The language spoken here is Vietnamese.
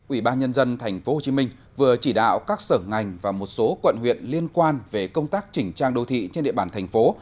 ủy ban nhân dân tp hcm vừa chỉ đạo các sở ngành và một số quận huyện liên quan về công tác chỉnh trang đô thị trên địa bàn thành phố